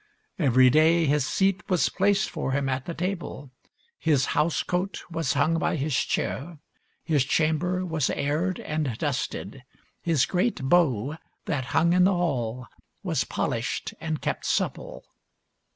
Every day his seat was placed for him at the table; his house coat was hung by his chair; his chamber was aired and dusted ; his great bow that hung in the hall was polished and kept supple.